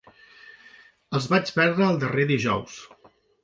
Els vaig perdre el darrer dijous.